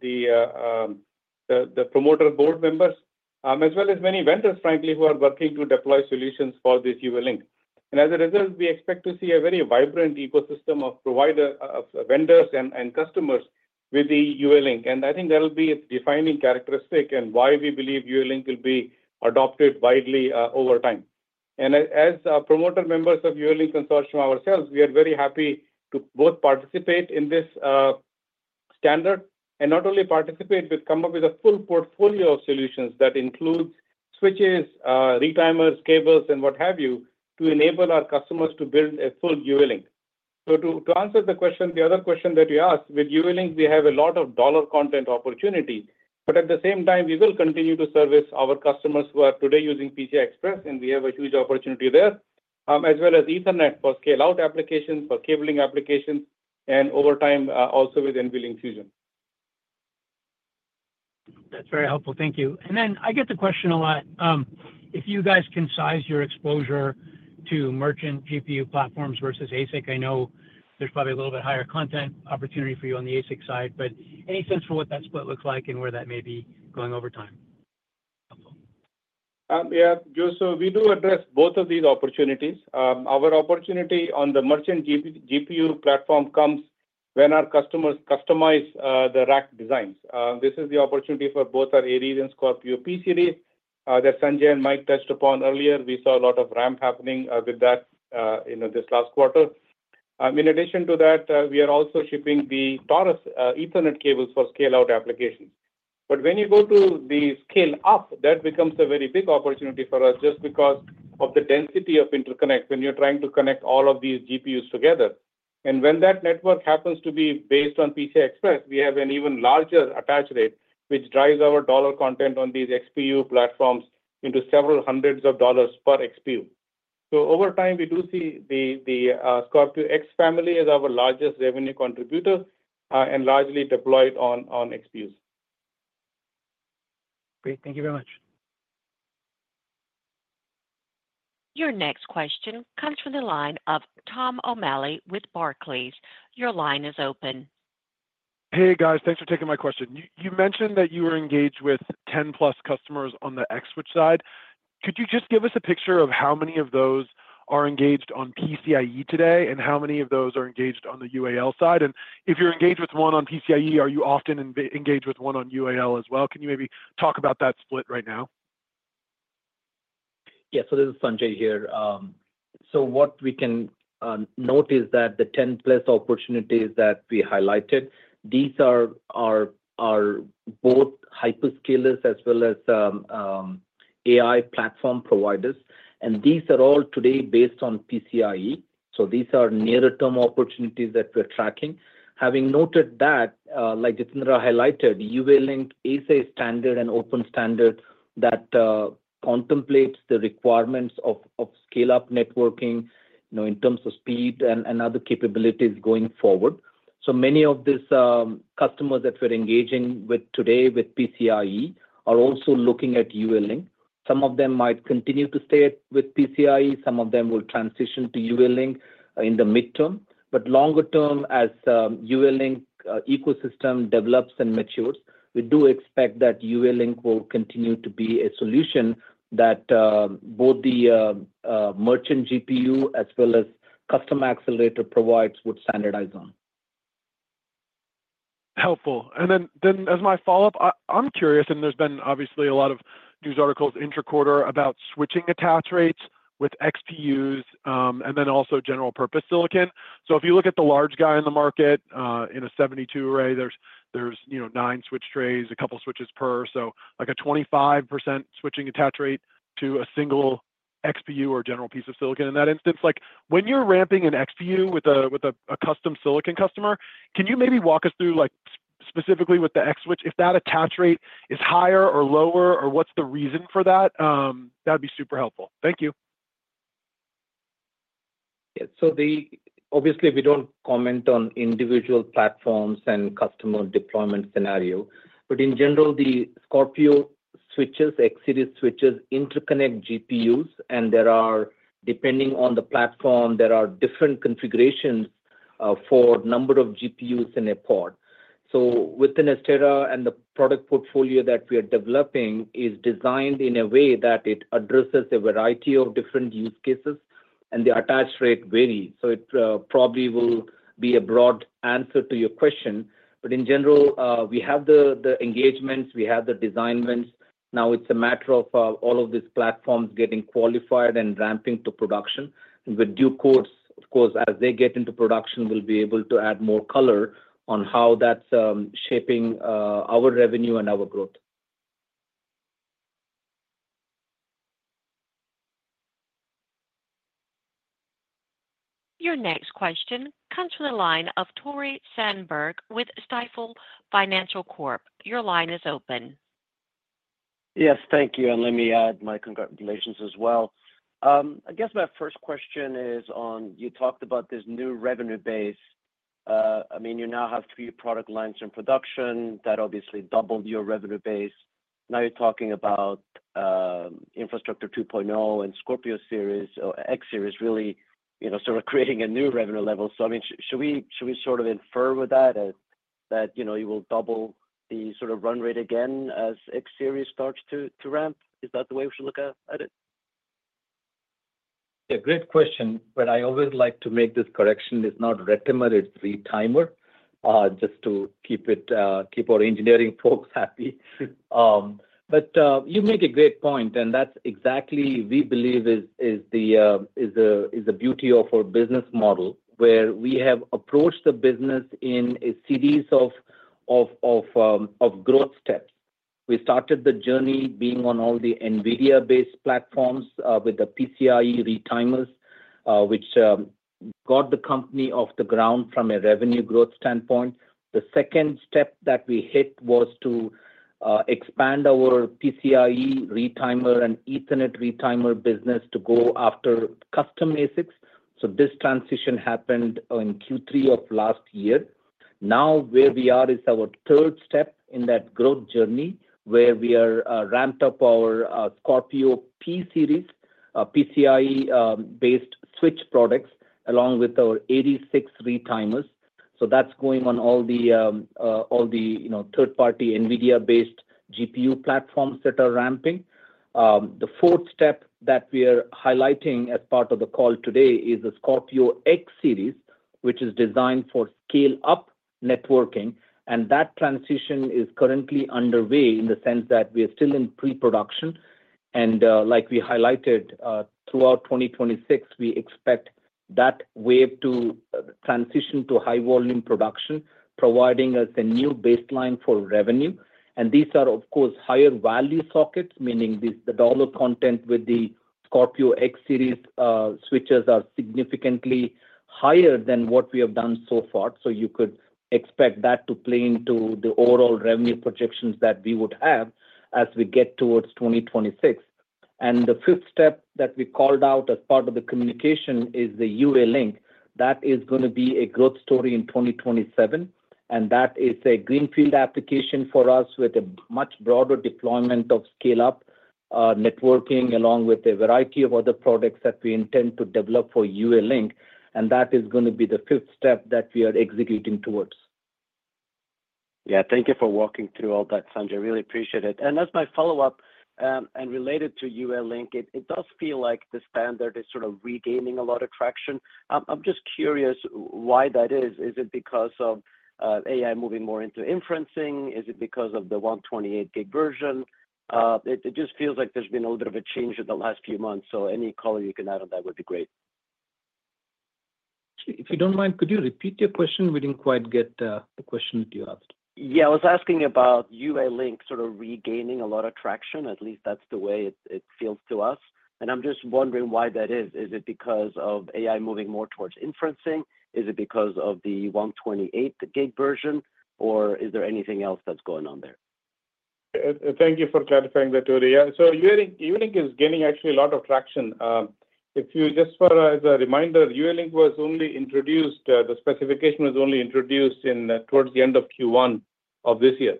promoter board members as well as many vendors, frankly, who are working to deploy solutions for this UALink. As a result, we expect to see a very vibrant ecosystem of provider vendors and customers with the UALink. I think that will be a defining characteristic and why we believe UALink will be adopted widely over time. As promoter members of UALink consortium ourselves, we are very happy to both participate in this standard, and not only participate, but come up with a full portfolio of solutions that includes switches, retimers, cables, and what have you to enable our customers to build a full UALink. To answer the question that you asked, with UALink we have a lot of dollar content opportunity, but at the same time we will continue to service our customers who are today using PCIe, and we have a huge opportunity there, as well as Ethernet for scale-out applications, for cabling applications, and over time also with NVLink Fusion. That's very helpful, thank you. I get the question a lot. If you guys can size your exposure to merchant GPU platforms versus ASIC. I know there's probably a little bit higher content opportunity for you on the ASIC side, any sense for what that split looks like and where that may be going over time? Yeah, Joseph, we do address both of these opportunities. Our opportunity on the merchant GPU platform comes when our customers customize the rack design. This is the opportunity for both our Aries, Scorpio P-Series that Sanjay and Mike touched upon earlier. We saw a lot of ramp happening with that this last quarter. In addition to that, we are also shipping the Taurus Ethernet cables for scale-out applications. When you go to the scale-up, that becomes a very big opportunity for us just because of the density of interconnect when you're trying to connect all of these GPUs together. When that network happens to be based on PCIe, we have an even larger attach rate, which drives our dollar content on these XPU platforms into several hundreds of dollars per XPU. Over time, we do see the Scorpio X-Series as our largest revenue contributor and largely deployed on XPUs. Great, thank you very much. Your next question comes from the line of Tom O'Malley with Barclays. Your line is open. Hey guys, thanks for taking my question. You mentioned that you were engaged with 10+ customers on the X-Series side, could you just give us a picture of how many of those are engaged on PCIe today and how many of those are engaged on the UALink side? If you're engaged with one on PCIe, are you often engaged with one on UALink as well? Can you maybe talk about that split right now? Yeah. This is Sanjay here. What we can notice is that the 10+ opportunities that we highlighted, these are both hyperscalers as well as AI platform providers. These are all today based on PCIe. These are nearer-term opportunities that we're tracking. Having noted that, like Jitendra highlighted, UALink is a standard and open standard that contemplates the requirements of scale-up networking in terms of speed and other capabilities going forward. Many of these customers that we're engaging with today with PCIe are also looking at UALink. Some of them might continue to stay with PCIe, some of them will transition to UALink in the mid-term. Longer-term, as the UALink ecosystem develops and matures, we do expect that UALink will continue to be a solution that both the merchant GPU as well as custom accelerator providers will standardize on. Helpful. As my follow up, I'm curious and there's been obviously a lot of news articles intra quarter about switching attach rates with XPUs and then also general purpose silicon. If you look at the large guy in the market in a 72 array, there's nine-switch trays, a couple switches per, so like a 25% switching attach rate to a single XPU or general piece of silicon. In that instance, when you're ramping an XPU with a custom silicon customer, can you maybe walk us through specifically with the X switch, if that attach rate is higher or lower or what's the reason for that, that'd be super helpful. Thank you. We don't comment on individual platforms and customer deployment scenario, but in general the Scorpio switches, X-Series switches, interconnect GPUs and there are, depending on the platform, different configurations for number of GPUs in a pod. Within Astera and the product portfolio that we are developing, it is designed in a way that it addresses a variety of different use cases and the attach rate varies. It probably will be a broad answer to your question. In general, we have the engagements, we have the design wins. Now it's a matter of all of these platforms getting qualified and ramping to production. With due course, as they get into production, we'll be able to add more color on how that's shaping our revenue and our growth. Your next question comes from the line of Tore Svanberg with Stifel Financial Corp. Your line is open. Yes, thank you. Let me add my congratulations as well. I guess my first question is on you talked about this new revenue base. I mean you now have three product lines in production that obviously doubled your revenue base. Now you're talking about AI Infrastructure 2.0 and Scorpio P-Series or X-Series really, you know, sort of creating a new revenue level. Should we infer with that that you will double the sort of run rate again as X-Series starts to ramp? Is that the way we should look at it? Yeah, great question. I always like to make this correction. It's not retiment, it's retimer. Just to keep our engineering folks happy. You make a great point. That's exactly what we believe is the beauty of our business model where we have approached the business in a series of growth steps. We started the journey being on all the NVIDIA based platforms with the PCIe retimers which got the company off the ground from a revenue growth standpoint. The second step that we hit was to expand our PCIe retimer and Ethernet retimer business to go after custom ASICs. This transition happened in Q3 of last year. Now where we are is our third step in that growth journey where we have ramped up our Scorpio P-Series PCIe-based fabric switch products along with our 86 retimers. That's going on all the third-party NVIDIA based GPU platforms that are ramping up. The fourth step that we are highlighting as part of the call today is the Scorpio X-Series which is designed for scale-up networking. That transition is currently underway in the sense that we are still in pre-production and like we highlighted throughout 2026, we expect that wave to transition to high volume production providing us a new baseline for revenue. These are of course higher value sockets meaning the dollar content with the Scorpio X-Series switches are significantly higher than what we have done so far. You could expect that to play into the overall revenue projections that we would have as we get towards 2026. The fifth step that we called out as part of the communication is the UALink. That is going to be a growth story in 2027 and that is a greenfield application for us with a much broader deployment of scale-up networking along with a variety of other products that we intend to develop for UALink and that is going to be the fifth step that we are executing towards. Yeah, thank you for walking through all that Sanjay. I really appreciate it. As my follow up and related to UALink, it does feel like the standard is sort of regaining a lot of traction. I'm just curious why that is. Is it because of AI moving more into inferencing? Is it because of the 128 Gb version? It just feels like there's been a little bit of a change in the last few months. Any color you can add on that would be great. If you don't mind, could you repeat your question? We didn't quite get the question that you asked. Yeah, I was asking about UALink sort of regaining a lot of traction. At least that's the way it feels to us and I'm just wondering why that is. Is it because of AI moving more towards inferencing? Is it because of the 128 Gb version? Or is there anything else that's going on there? Thank you for clarifying that. Ulink is gaining actually a lot of traction. If you just for as a reminder, UALink was only introduced, the specification was only introduced towards the end of Q1 of this year.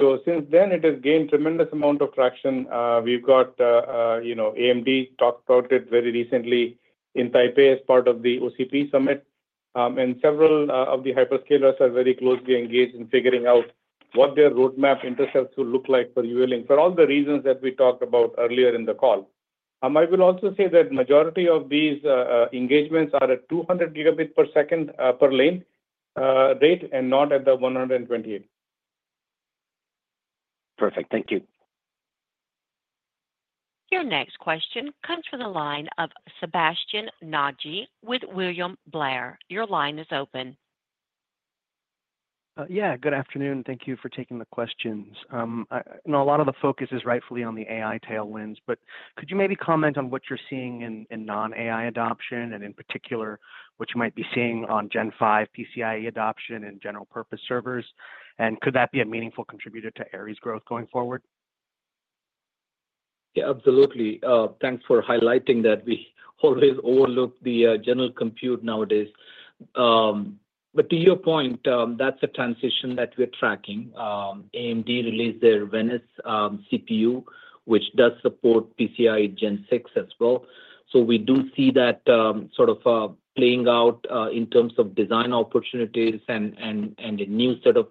Since then, it has gained tremendous amount of traction. We've got, you know, AMD talked about it very recently in Taipei as part of the OCP Summit, and several of the hyperscalers are very closely engaged in figuring out what their roadmap intercepts will look like for UALink. For all the reasons that we talked about earlier in the call, I will also say that majority of these engagements are at 200 Gb per second per lane data and not at the 128 Gb. Perfect. Thank you. Your next question comes from the line of Sebastien Naji with William Blair. Your line is open. Good afternoon. Thank you for taking the questions. A lot of the focus is rightfully on the AI tailwinds, but could you maybe comment on what you're seeing in non-AI adoption and in particular what you might be seeing on Gen 5 PCIe adoption and general purpose service? Could that be a meaningful contributor to Aries growth going forward? Yeah, absolutely. Thanks for highlighting that. We always overlook the general compute nowadays, but to your point that's a transition that we're tracking. AMD released their Venice CPU which does support PCIe Gen 6 as well. We do see that sort of playing out in terms of design opportunities and a new set of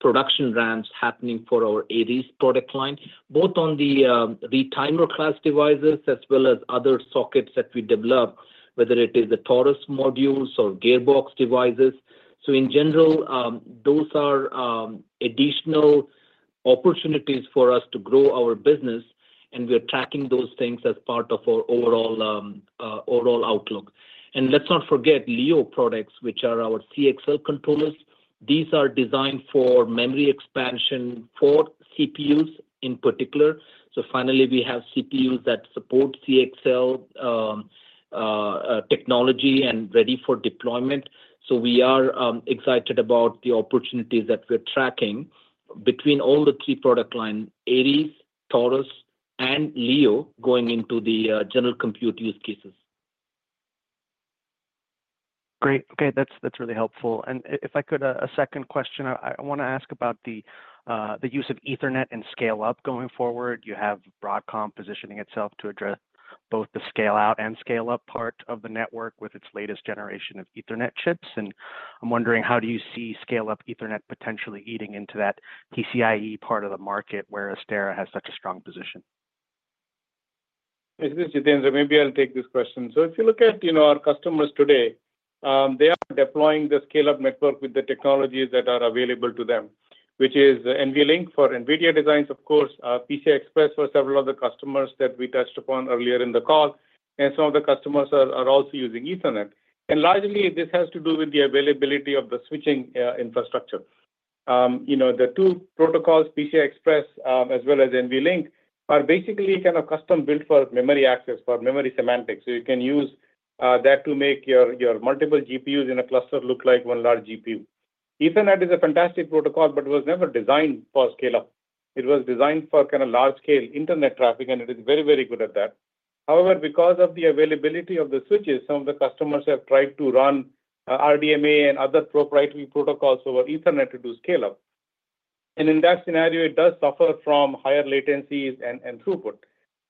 production ramps happening for our Aries product line, both on the retimer class devices as well as other sockets that we develop, whether it is the Taurus modules or gearbox devices. In general those are additional opportunities for us to grow our business and we're tracking those things as part of our overall outlook. Let's not forget LEO products which are our CXL controllers. These are designed for memory expansion for CPUs in particular. Finally we have CPUs that support CXL technology and are ready for deployment. We are excited about the opportunities that we're tracking between all the three product lines, Aries, Taurus, and LEO, going into the general compute use cases. Great. Okay, that's really helpful. If I could, a second question. I want to ask about the use of Ethernet and scale-up. Going forward you have Broadcom positioning itself to address both the scale-out and scale-up part of the network with its latest generation of Ethernet chips. I'm wondering how do you see scale-up Ethernet potentially eating into that PCIe part of the market where Astera Labs has such a strong position? This is Jitendra. Maybe I'll take this question. If you look at our customers today, they are deploying the scale-up network with the technologies that are available to them, which is NVLink for NVIDIA designs, of course, PCIe for several of the customers that we touched upon earlier in the call. Some of the customers are also using Ethernet. Largely this has to do with the availability of the switching infrastructure. The two protocols, PCIe as well as NVLink, are basically kind of custom built for memory access, for memory semantics. You can use that to make your multiple GPUs in a cluster look like one large GPU. Ethernet is a fantastic protocol, but it was never designed for scale-up. It was designed for kind of large-scale Internet traffic and it is very, very good at that. However, because of the availability of the switches, some of the customers have tried to run RDMA and other proprietary protocols over Ethernet to do scale-up. In that scenario it does suffer from higher latencies and throughput.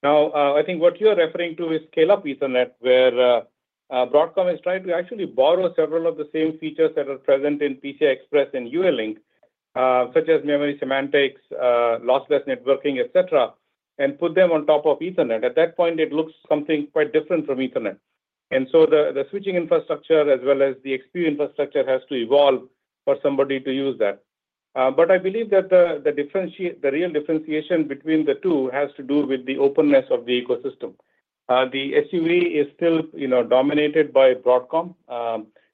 I think what you are referring to is scale-up Ethernet, where Broadcom has tried to actually borrow several of the same features that are present in PCIe and UALink, such as memory semantics, lossless networking, etc., and put them on top of Ethernet. At that point, it looks something quite different from Ethernet. The switching infrastructure as well as the XP infrastructure has to evolve for somebody to use that. I believe that the real differentiation between the two has to do with the openness of the ecosystem. The SUV is still dominated by Broadcom,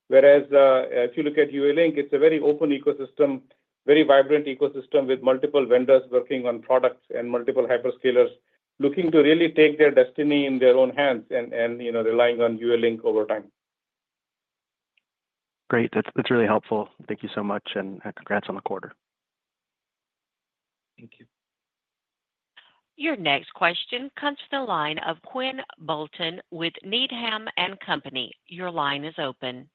whereas if you look at UALink, it's a very open ecosystem, very vibrant ecosystem with multiple vendors working on products and multiple hyperscalers looking to really take their destiny in their own hands and, you know, relying on UALink over time. Great, that's really helpful. Thank you so much and congrats on the quarter. Thank you. Your next question comes to the line of Quinn Bolton with Needham and Company. Your line is open.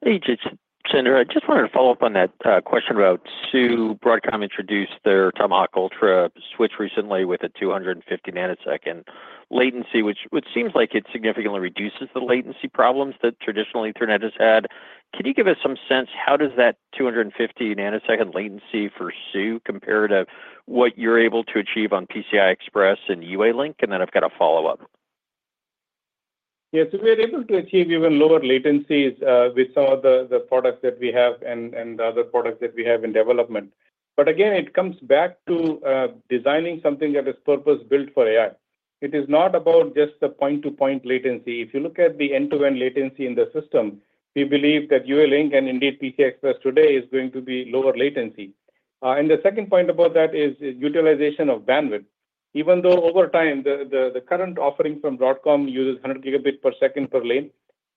Hey Jitendra, I just wanted to follow up on that question about [seu]. Broadcom introduced their Tomahawk Ultra switch recently with a 250 nanosecond latency, which seems like it significantly reduces the latency problems that traditionally Ethernet has had. Can you give us some sense how does that 250 nanosecond latency, for [seu], compare to what you're able to achieve on PCIe and UALink? I have a follow up. Yes, we are able to achieve even lower latencies with some of the products that we have and other products that we have in development. It comes back to designing something that is purpose built for AI. It is not about just the point-to-point latency. If you look at the end-to-end latency in the system, we believe that UALink and indeed PCIe today is going to be lower latency. The second point about that is utilization of bandwidth. Even though over time the current offering from Broadcom uses 100 Gb per second per lane,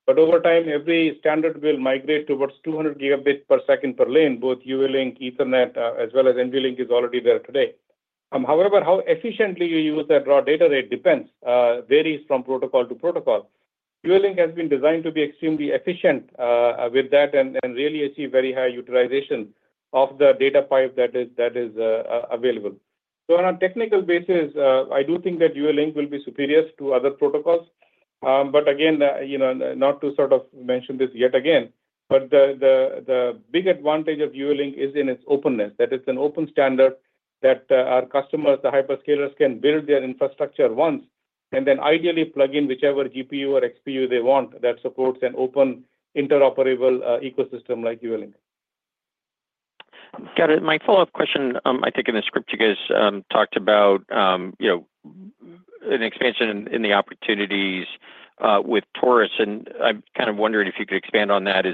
over time every standard will migrate towards 200 Gb per second per lane. Both UALink Ethernet as well as NVLink is already there today. However, how efficiently you use that raw data rate varies from protocol to protocol. UALink has been designed to be extremely efficient with that and really achieve very high utilization of the data pipe that is available. On a technical basis, I do think that UALink will be superior to other protocols. The big advantage of UALink is in its openness, that it's an open standard, that our customers, the hyperscalers, can build their infrastructure once and then ideally plug in whichever GPU or XPU they want that supports an open interoperable ecosystem like UALink. My follow up question, I think in the script you guys talked about an expansion in the opportunities with Taurus, and I'm kind of wondering if you could expand on that.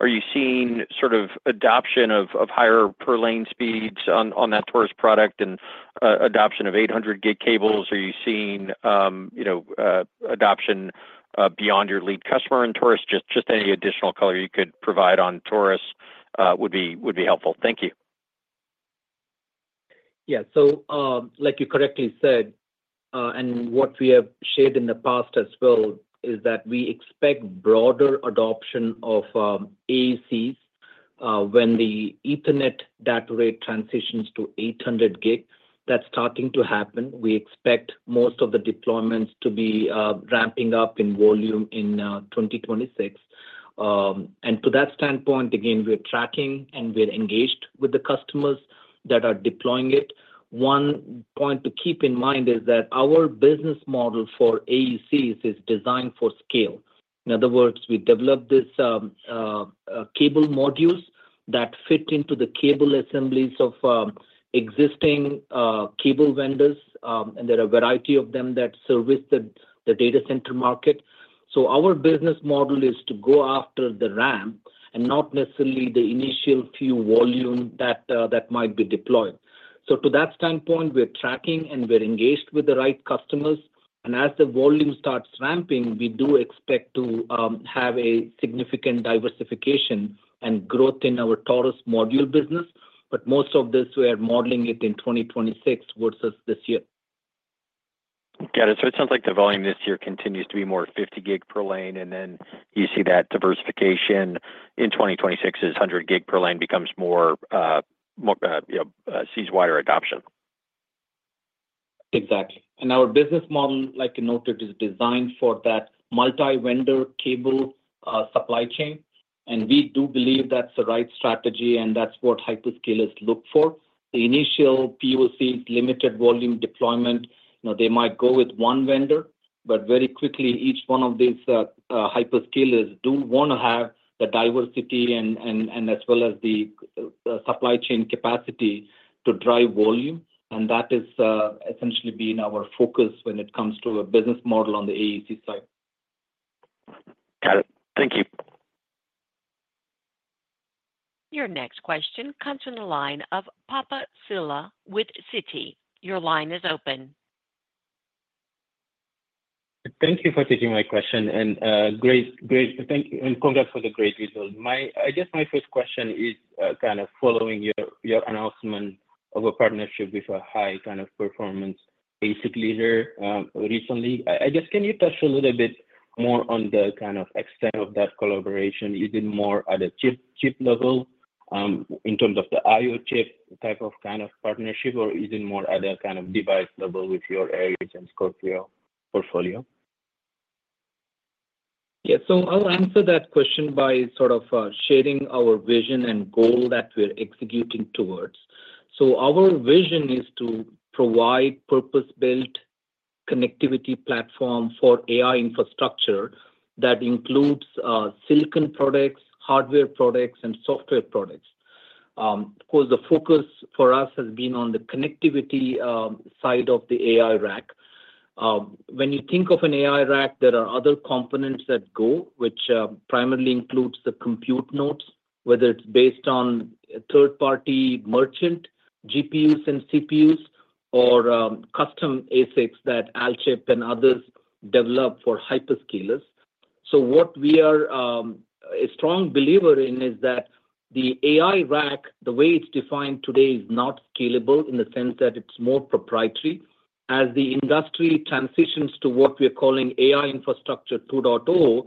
Are you seeing sort of adoption of higher per lane speeds on that Taurus product and adoption of 800 Gb cables? Are you seeing adoption beyond your lead customer in Taurus? Just any additional color you could provide on Taurus would be helpful. Thank you. Yeah. Like you correctly said, and what we have shared in the past as well, we expect broader adoption of AECs when the Ethernet data rate transitions to 800 Gb. That's starting to happen. We expect most of the deployments to be ramping up in volume in 2026. To that standpoint, we're tracking and we're engaged with the customers that are deploying it. One point to keep in mind is that our business model for AECs is designed for scale. In other words, we developed these cable modules that fit into the cable assemblies of existing cable vendors, and there are a variety of them that service the data center market. Our business model is to go after the RAM and not necessarily the initial few volume that might be deployed. To that standpoint, we're tracking and we're engaged with the right customers. As the volume starts ramping, we do expect to have a significant diversification and growth in our Taurus module business. Most of this we are modeling in 2026 versus this year. Got it. It sounds like the volume this year continues to be more 50 Gb per lane, and then you see that diversification in 2026 as 100 Gb per lane becomes more seize wider adoption. Exactly. Our business model, like noted, is designed for that multi-vendor cable supply chain. We do believe that's the right strategy. That's what hyperscalers look for. The initial POC limited volume deployment, they might go with one vendor, but very quickly each one of these hyperscalers want to have the diversity as well as the supply chain capacity to drive volume. That has essentially been our focus when it comes to a business model on the AEC side. Got it. Thank you. Your next question comes from the line of Papa Sylla with Citi. Your line is open. Thank you for taking my question and great, thank you. Congrats for the great result. I guess my first question is kind of following your announcement of a partnership with a high kind of performance ASIC leader recently, I guess can you touch a little bit more on the kind of extent of that collaboration? Is it more at a chip level in terms of the IO chip type of kind of partnership or is it more at a kind of device level with your agent Scorpio portfolio? Yeah, I'll answer that question by sort of sharing our vision and goal that we're executing towards. Our vision is to provide purpose-built connectivity platform for AI infrastructure that includes silicon products, hardware products, and software products. Of course, the focus for us has been on the connectivity side of the AI rack. When you think of an AI rack, there are other components that go, which primarily includes the compute nodes, whether it's based on third-party merchant GPUs and CPUs or custom ASICs that Alchip and others develop for hyperscalers. What we are a strong believer in that the AI rack, the way it's defined today, is not scalable in the sense that it's more proprietary. As the industry transitions to what we are calling AI Infrastructure 2.0,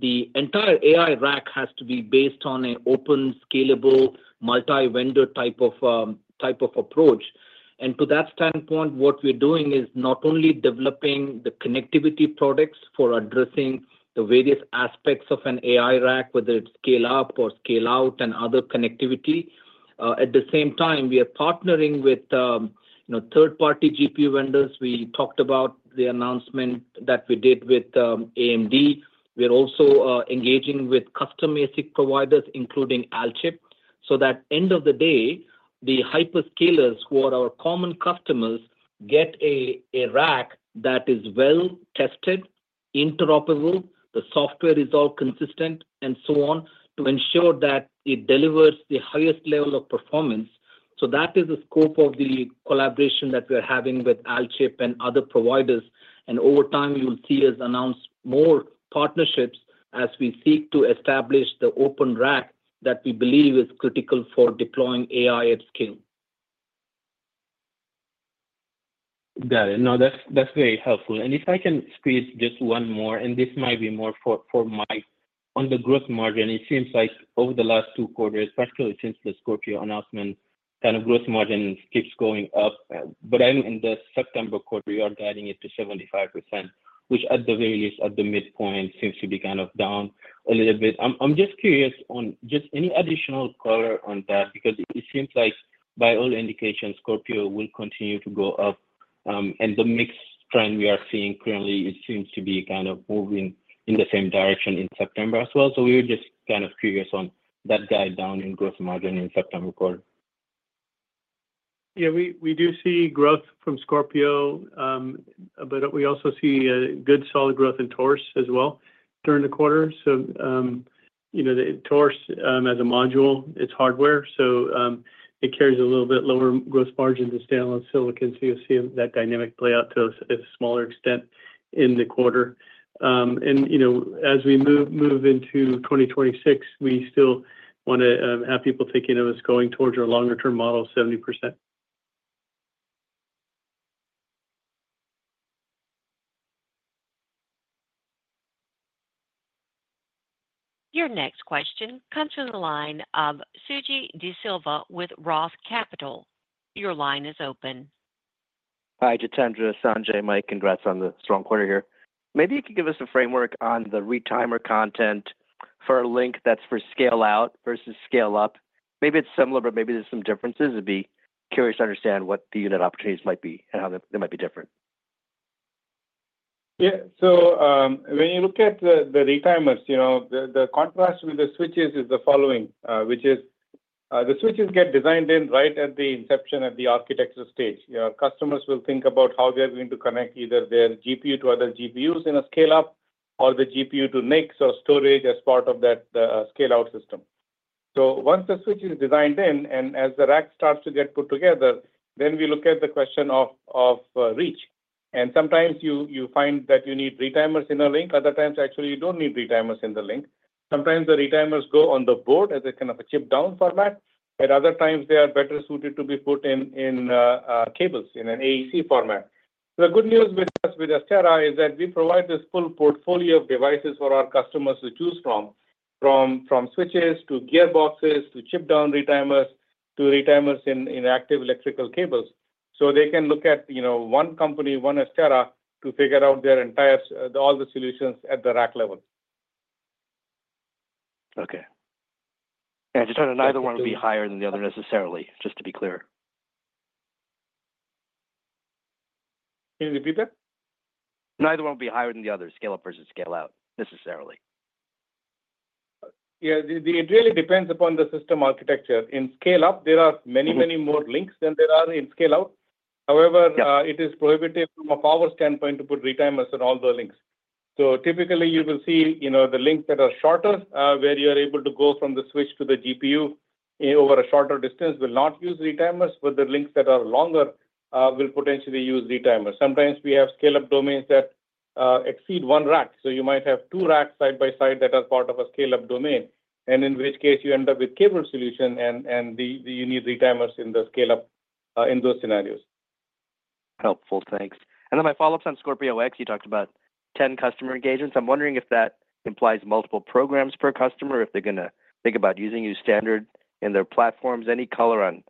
the entire AI rack has to be based on an open, scalable, multi-vendor type of approach. To that standpoint, what we're doing is not only developing the connectivity products for addressing the various aspects of an AI rack, whether it's scale-up or scale-out and other connectivity. At the same time, we are partnering with third-party GPU vendors. We talked about the announcement that we did with AMD. We're also engaging with custom ASIC providers including Alchip, so that end of the day, the hyperscalers, who are our common customers, get a rack that is well tested, interoperable, the software is all consistent, and so on to ensure that it delivers the highest level of performance. That is the scope of the collaboration that we're having with Alchip and other providers. Over time you will see us announce more partnerships as we seek to establish the open rack that we believe is critical for deploying AI at scale. Got it. No, that's very helpful. If I can squeeze just one more, and this might be more for Mike. On the gross margin, it seems like over the last two quarters, particularly since the Scorpio announcement, gross margin keeps going up. In the September quarter, you are guiding it to 75%, which at the very least at the midpoint seems to be down a little bit. I'm just curious on any additional color on that because it seems like by all indications Scorpio will continue to go up and the mix trend we are seeing currently seems to be moving in the same direction in September as well. We're just curious on that guide down in gross margin in the September quarter. Yeah, we do see growth from Scorpio, but we also see good solid growth in Taurus as well during the quarter. You know the Taurus as a module, it's hardware, so it carries a little bit lower gross margin to stand on silicon. You'll see that dynamic play out to a smaller extent in the quarter. As we move into 2026, we still want to have people thinking of us going towards our longer-term model, 70%. Your next question comes from the line of Suji DeSilva with Roth Capital. Your line is open. Hi Jitendra, Sanjay, Mike, congrats on the strong quarter here. Maybe you could give us a framework on the retimer content for a link that's for scale-out versus scale-up. Maybe it's similar, but maybe there's some differences. I'd be curious to understand what the unit opportunities might be and how they might be different. Yeah, so when you look at the retimers, you know, the contrast with the switches is the following, which is the switches get designed in right at the inception at the architecture stage. Customers will think about how they're going to connect either their GPU to other GPUs in a scale up or the GPU to NICs or storage as part of that scale-out system. Once the switch is designed in and as the rack starts to get put together, we look at the question of reach, and sometimes you find that you need retimers in a link, other times actually you don't need retimers in the link. Sometimes the retimers go on the board as a kind of a chip down format. At other times they are better suited to be put in cables in an AEC format. The good news with Astera is that we provide this full portfolio of devices for our customers to choose from. From switches to gearboxes to chip down retimers to retimers in active electrical cables, they can look at, you know, one company, one Astera, to figure out their entire, all the solutions at the rack level. Just trying to clarify, neither one would be higher than the other necessarily. Just to be clear. Can you repeat that? Neither one will be higher than the other scale up versus scale-out necessarily. Yeah, it really depends upon the system architecture. In scale-up there are many, many more links than there are in scale-out. However, it is prohibitive from a power standpoint to put retimers on all the links. Typically, you will see the links that are shorter, where you are able to go from the switch to the GPU over a shorter distance, will not use retimers. The links that are longer will potentially use retimers. Sometimes we have scale-up domains that exceed one rack. You might have two racks side by side that are part of a scale-up domain, in which case you end up with a cable solution and you need retimers in the scale-up domain in those scenarios. Helpful. Thanks. My follow ups on Scorpio. You talked about 10 customer engagements. I'm wondering if that implies multiple programs per customer, if they're going to think about using you standard in their platforms, any color on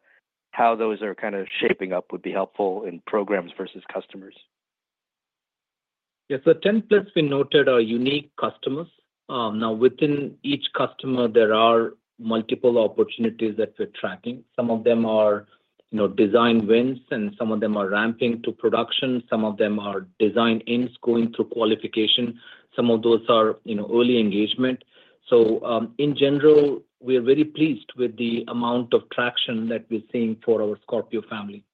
how those are kind of shaping up would be helpful in programs versus customers. Yes, the 10+ we noted are unique customers. Now, within each customer, there are multiple opportunities that we're tracking. Some of them are design wins, and some of them are ramping to production. Some of them are design ins going through qualification. Some of those are early engagement. In general, we are very pleased with the amount of traction that we're seeing for our Scorpio family.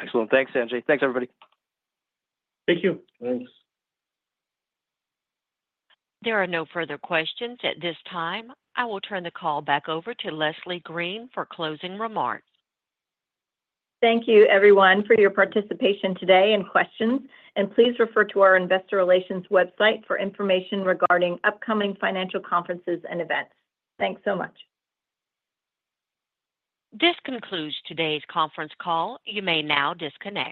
Excellent. Thanks, Sanjay. Thanks, everybody. Thank you. Thanks. There are no further questions at this time. I will turn the call back over to Leslie Green for closing remarks. Thank you, everyone, for your participation today and questions. Please refer to our investor relations website for information regarding upcoming financial conferences and events. Thanks so much. This concludes today's conference call. You may now disconnect.